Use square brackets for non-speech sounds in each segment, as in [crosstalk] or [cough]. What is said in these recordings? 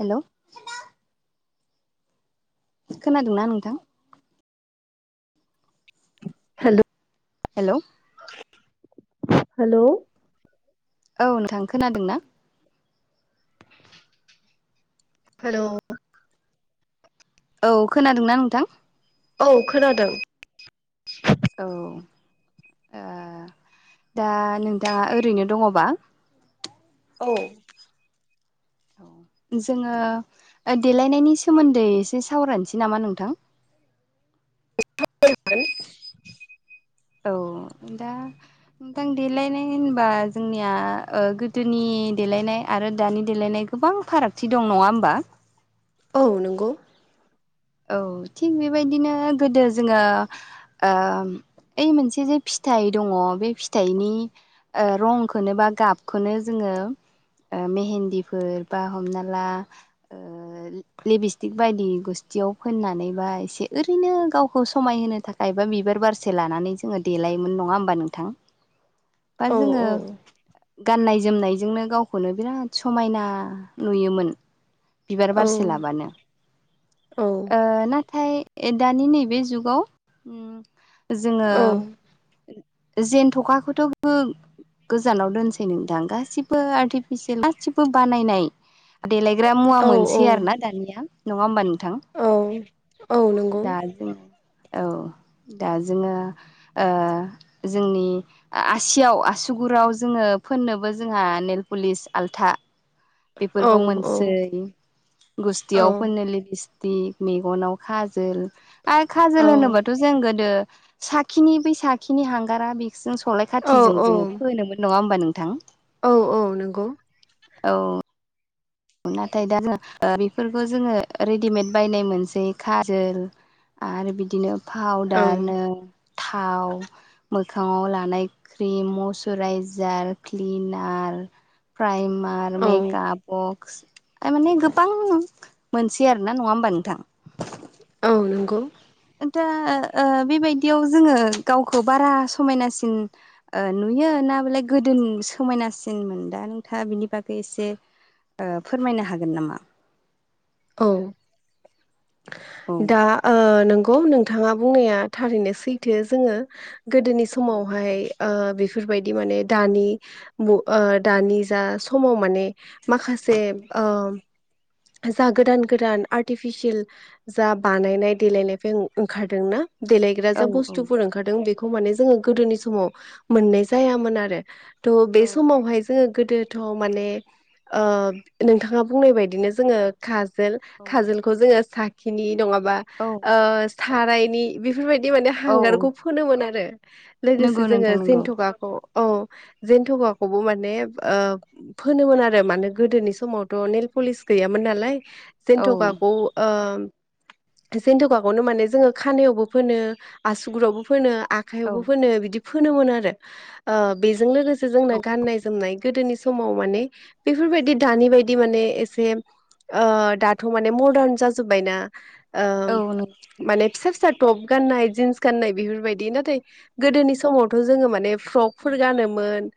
हेल'। खोनादोंना नोंथां? Hello. Hello. Hello. औ नोंथां खोनादों ना? हेल'। औ खोनादोंना नोंथां? औ खोनादों। औ ओ दा नों दा ओरैनो दङबा? औ। जोङो देलायनायनि सोमोन्दै एसे सावरायनोसै नामा नोंथां? औ दा नोंथां देलायनाय होनबा जोंनिया ओ गोदोनि देलायनाय आरो दानि देलायनाय गोबां फारागथि दं नङा होमबा? औ नंगौ। औ थिग बेबायदिनो गोदो जोङो ओम ओइ मोनसे जे फिथाइ दङ बे फिथाइनि ओ रंखोनो बा गाबखोनो जोङो ओ मेहेन्दिफोर बा हमना ला ओ ओ लिबस्टिक बायदि गुस थियाव फोननानै बा एसे ओरैनो गावखौ समाय होनो थाखाय बा बिबार बारसे लानानै जोङो देलायोमोन नङा होमबा नोंथां? बा औ जोङो औ गाननाय जोमनायजोंनो गाव खौनो बिराद समायना नुयोमोन बिबार औ बारसे लाबानो। औ ओ नाथाय दानि नैबे जुगाव ओम जोङो औ जेनथखाखौथ' गोजानाव दोनसै नोंथां गासिबो आर्टिफिसियेल गासिबो बानायनाय देलायग्रा मुवा मोनसै आरो ना दानिया नङा होमबा नोंथां? औ। औ नंगौ दा जोङो औ दा जोङो ओ जोंनि आसियाव आसुगुराव जोङो फोननोबो जोंहा नेेलपुलिस आल्था औ बेफोरखौ औ मोनसेै औ गुस्थियाव फोननो लिबिस ग मेगनाव खाजोल आरो खाजोल होनोबाथ' जों गोदो साखिनि बै साखिनि हांगारा बे जों सलाय औ खाथिजों जोङो फोनोमोन नङा होमबा नोंथां? औ - औ नंगौ। औ। नाथाय दा जोङो बेफोरखौ जोङो रेडिमेद बायनाय मोनसै खाजोल आरो बिदिनो औ पावदारनो थाव मोखाङाव लानाय क्रिम मयचुराइजार क्लिनार प्राइमा आरो औ मेकआप बक्स थामाने गोबां मोनसे आरोना नङा होमबा नोंथां। औ नंगौ। दा बेबायदियाव जोङो गावखौ बारा समायनासिन ओ नुयो ना बेलाय गोदो समायनासिनमोन दा नोंथाङा बिनि बागै एसे आ फोरमायनो हागोन नामा औ औ दा नंगौ नोंथाङा बुंनाया थारैनो सैथो जोङो गोदोनि औ समावहाय बेफोरबायदि माने दानि दानि जा समाव माने माखासे जा गोदान गोदान आर्टिफिसियेल जा बानायनाय देलायनायफोर ओंखारदोंनाा देलायग्रा जा बुस्थुफोर ओंखार ओंखारदों बेखौ माने जोङो गोदोनि समाव मोननाय जायामोन आरो थह औ बे समावहाय जोङो गोदोथ' माने नोंथाङा बुंनाय बायदिनो जोङो खाजोल खाजोलखौ जोङो साखिनि नङाबा ओ सारायनि बेफोरबायदि माने औ हांगारखौ फोनोमोन आरो नंगौ लोगोसे जोङो नोंथां नंगौ जन्थकआ औ औ जेनथुखौखौबो माने आ फोनोमोन आरो मानो गोदोनि समावथ' नेेल पलिस गैयामोन नालाय औ जन्थ'खाखौ आम जेन्थ'खाखौनो माने जोङो खानायावबो फोनो आसुगुरावबो फोनो औ आखायावबो फोनो बिदि फोनोमोन आरो आ बेजों लोगोसे औ जोंना गाननाय जोमनाय गोदोनि समाव माने बेफोरबायदि दानि बायदि माने एसे आ दाथ' माने मदार्न जाजोब्बायना औ नों माने फिसा फिसा टप गाननाय जिन्स गाननाय बेफोरबायदि नाथाय गोदोनि समावथ' जोङो माने औ फ्रकफोर गानोमोन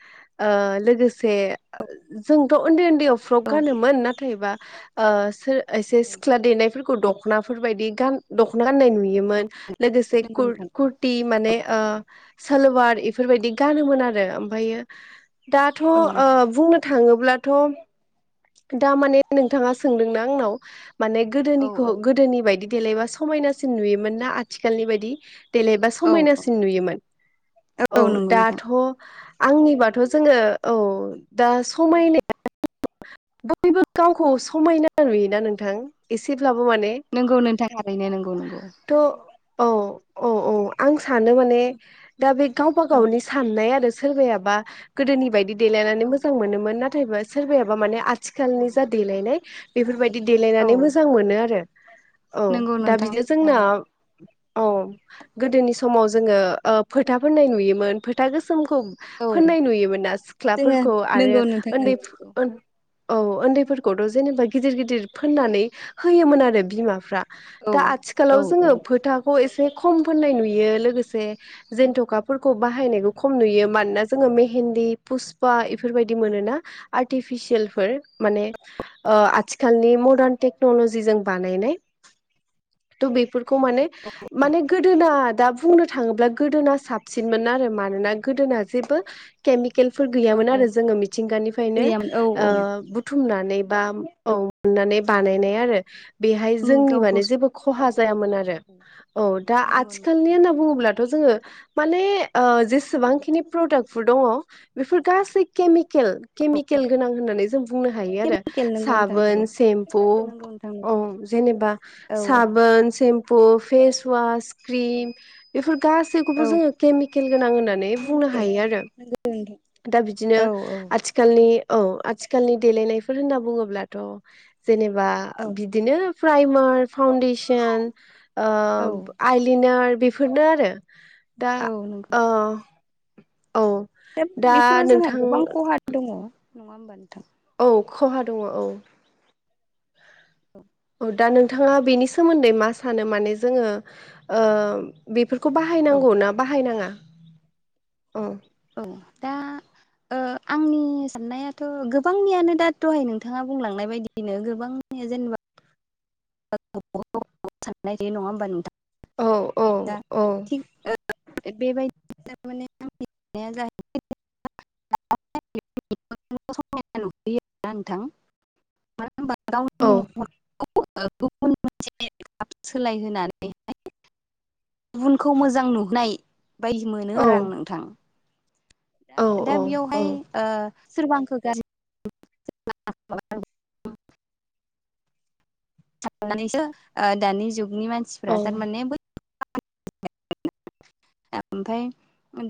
आ लोगोसे जे जोंथ' उन्दै उन्दैयाव फ्रक औ गानोमोन नाथायबा आ सोर एसे सिख्ला देनायफोरखौ दख'नाफोर बायदि गान दख'ना गाननाय नुयोमोन। मोन लोगोसे नंगौ खुल, नोंथां खु टि माने आ सालवार इफोरबायदि गानोमोन आरो ओमफायो दाथ' औ आ बुंनो थाङोब्लाथ' दा माने नोंथाङा सोंदोंना आंनाव माने औ गोदोनिखौ गोदोनि बायदि देलायबा समायनासिन नुयोमोन ना आथिखालनि बायदि देलायबा औ औ समायनासिन नुयोमोन औ नंगौ नोंथां दाथ' आंनिबाथ' जोङो औ दा समायनाय बयबो गावखौ समायना नुयोना नोंथां एसेब्लाबो माने नंगौ नोंथाङ ओरैनो नंगौ नंगौ। थ' औ औ औ आं सानो माने दा बे गावबा औ गावनि साननाय आरो सोरबायायाबा गोदोनि बायदि देलायनानै औ मोजां मोनोन नाथायबा सोरबायाबा माने आथिखालनि जा देलायनाय बेफोरबायदि बि औ देलायनानै मोजां मोनो आरो औ नंगौ दा नोंथां बिदि नंगौ जोंना थारैनो औ गोदोनि समाव जोङो फोथा फोननाय नुयोमोन फोथा गोसोमखौ औ फोननाय नुयोमोन ना जोङो सिख्लाफोरखौ आरो नंगौ नोंथां उन्दै नंगौ औ उन्दैफोरखौथ' जेनेबा गिदिर गिदिर फोननानै होयोमोन आरो बिमाफ्रा औ दा औ आथिखालाव औ जोङो फोथाखौ एसे खम फोननाय नुयो लोगोसे जेेनथ'खाफोरखौ बाहायनायखौ खम नुयो मानोना जोङो मेहेन्ददि फुसपा इफोरबायदि मोनोना आर्टिफिसियेल फोर माने आथिखालनि मदार्न टेक्नल'जिजों बानायनाय थ' बेफोरखौ माने माने गोदोना दा बुंनो थाङोब्ला गोदोना साबसिनमोन आरो मानोना गोदोना जेबो केमिकेलफोर औ गैयामोन औ आरो जोङो मिथिंगानिफ्रायनो गैयामोन औ औ ओ बुथुमनानै बा औ मोननानै बानायनाय आरो बेहाय जोंनि गावखौ माने जेबो समायना खहा जायामोन आरो खालामहोयोमोन औ दा नंगौ आथिखालनि होनना बुङोब्लाथ' जोङो माने ओ जेसेबांखिनि प्रडाक्टफोर दङ' बेफोर गासै केमिकेल केमिकेल गोनां होननानै जों बुंनो हायो। आरो केमिकेल नंगौ नोंथां नंगौ साबोन, सेम्पु, नंगौ नोंथां औ जेनेबा औ साबोन, सेम्पु, फेसवास, औ क्रिम बेफोर गासैखौबो औ जोङो केमिकेल गोनां होननानै बुंनो केमिकेल हायो आरो नंगौ नोंथां दा बिदिनो औ औ आथि आथिखालनि औ आथिखालनि देलेनायफोर होनना बुङोब्लाथ' जेनेबा औ बिदिनो प्राइमार फावनदिशन ओ औ आइलिनार बेफोर बेफोरनो आरो दा औ नंगौ ओ औ दा बेफोराव जोंहा नोंथां गोबां खहा दङ नङा होमबा नोंथां औ खहा दङ औ औ, औ दा नोंथाङा बेनि सोमोन्दै मा सानो माने जोङो ओ बेफोरखौ औ बाहायनांगौ ना बाहायनाङा औ औ दा ओ आंनि साननायाथ' गोबांनियानो दा दहाय नोंथाङा बुंलांनाय बायदि बिनो गोबां जेनेबा [unintelligible] नङा होमबा नोंथां औ, औ दा औ थिक [unintelligible] [unintelligible] समायना नुयो आरोना नोंथां मानो होनबा औ गावनि मोखां गुबुन मोनसे सोलाय होनानै गुबुनखौ मोजां नुहोनाय बायदि मोनो औ आरो आं नोंथां। औ दा बेयावहाय ओ सोरबा आंखो गाज्रि [unintelligible] सान्नानैसो दानि जुगनि मानसिफ्रा थारमाने ओमफाय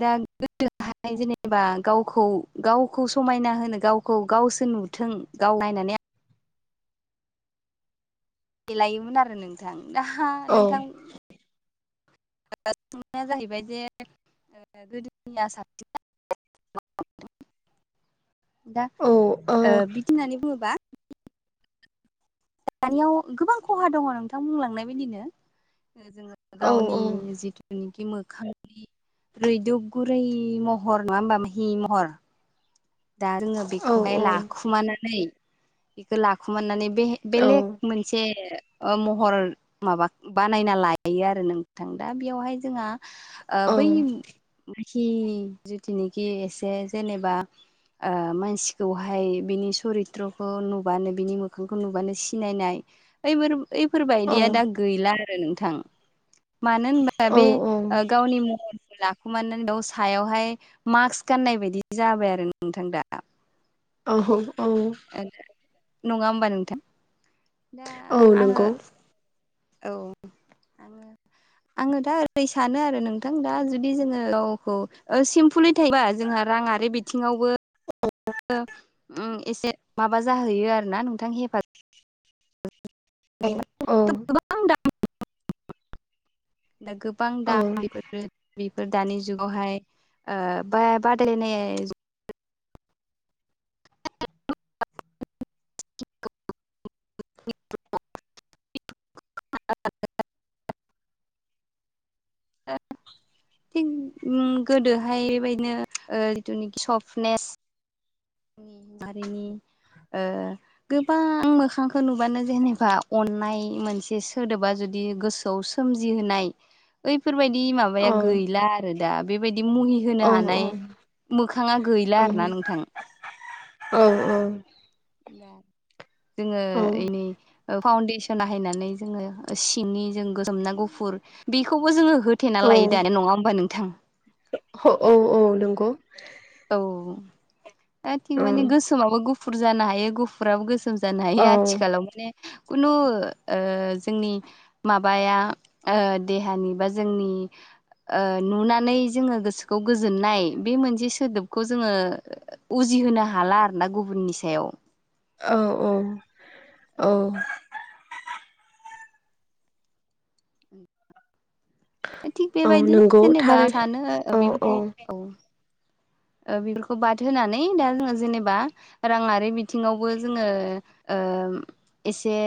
दा गोदोनि जेनेबा गावखौ गावखौ समायना होनो गावखौ गावसो नुथों गाव नायनानै देलायोमोन आरो नोंथां दा औ नोंथां [unintelligible] [unintelligible] [unintelligible] [unintelligible] दा ओ बिदि होननानै बुङोब्ला दानियाव गोबां खहा दङ नोंथां बुंलांनाय बायदिनो जोङो औ गावनि जिथु जेनेखि मोखांनि रैदुब गुरै महर नङा होमबा मिहि महर दा जोङो औ बेखौहाय लाखुमानानै बेखौ लाखुमानानै बे बेलेक मोनसे महर माबा बानायना लायो आरो नोंथां दा बेयावहाय जोंहा बै मानसिनि जितुनिखि एसे जेनेबा मानसिखौहाय बिनि सरित्रखौ नुबानो बिनि मोखांखौ नुबानो सिनायनाय ओइफोर बायदिया दा गैला आरो नोंथां। मानो होनबा बे गावनि महर लाखुमानो दा सायावहाय मास्क गाननाय बायदि जाबाय आरो नोंथां दा। औ औ। नङा होमबा नोंथां। दा औ आङो नंगौ औ। आङो आङो दा ओरै सानो आरो नोंथां दा जुदि जोङो गावखौ ओ सिम्पोलै थायोबा जोंहा राङारि बिथिङावबो ओ ओम एसे माबा जाहैयो आरो ना नोंथां हेफाजाब औ औ। [unintelligible] गोबां दा औ बेबायदिनो बेफोर दानि जुगावहाय ओ बा बादायलायनाय [unintelligible] [unintelligible] [unintelligible] थिग गोदोहाय बेबायदिनो इलेक्ट्रनिक सफ्टनेस जोंनि बारिनि ओ गोबां मोखांखौ नुबानो जेनेबा अननाय मोनसे सोदोबा जुदि गोसो खौ सोमजिहोनाय ओइफोरबायदि औ माबाया गैला दा बेबायदि मुहि होनो हानाय मोखाङा गैला आरो ना नोंथां। औ औ। जोङो इनि ओ फाउन्डेसन हायनानै जोङो सिंनि जों गोसोमना गुफुर बेखौबो जोङो हो थेना लायो दानो नङा होमबा नोंथां? औ औ नंगौ। औ दा थिग माने गोसोमाबो गुफुर जानो हायो गुफु फुराबो गोसोम जानो हायो आथिखालाव माने खुनु जोंनि माबाया ओ देहानि बा जोंनि ओ नुनानै जोङो गोसोखौ गोजोननाय बे मोनसे सोदोबखौ जोङो उजिहोनो हाला आरो ना गुबुननि सायाव। औ औ औ। थिग औ बेबायदिनो नंगौ जेनेबा थारै सानो औ औ बेफोरखौ औ। ओ बेफोरखौ बाद होनोनानै दा जोङो जेनेबा राङारि बिथिङावबो जोङो ओ एसे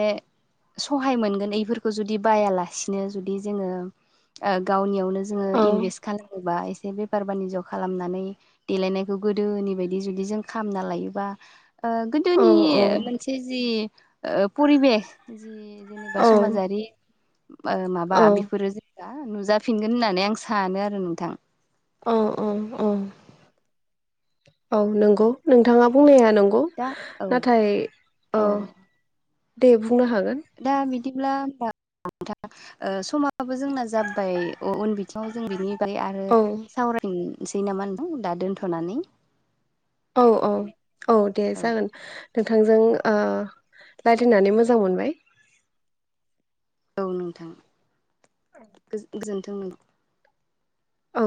सहाय मोनगोन बेफोरखौ जुदि बायालासिनो जुदि जोङो ओ गावनियावनो जोङो औ इनभेस्ट खालामोबा एसे बेफार बानिज्य खालामनानै देलायनायखौ गोदोनि बायदि जुदि जों खामना लायोबा ओ गोदोनि मोनसे जि ओ परिबेस जि औ जेनेबा समाजारि ओ माबा बेफोरो जेनेबा नुजाफिनगोन होननानै आं सानो आरो नोंथां। औ औ औ औ नोंगौ नोंथाङा बुंनाया नोंगौ। दा औ नाथाय औ दे बुंनो हागोन। दा बिदिब्ला होमबा ओ समाबो जोंना जाब्बाय उन बिथिङाव जों बिनि ओमफ्राय आरो औ सावरायनोसै नामा होनदों दा दोनथ'नानै। औ औ औ दे जागोन नोंथांजों ओ रायज्लायनानै मोजां मोनबाय। औ नोंथां गोजोनथों नों औ।